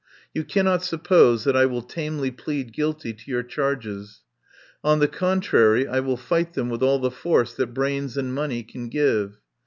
You cannot suppose that I will tame ly plead guilty to your charges. On the con trary, I will fight them with all the force that brains and money can give.